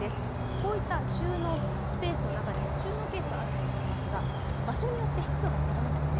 こういった収納スペースでも収納ケースがあると思いますが場所によって湿度が違うんですね。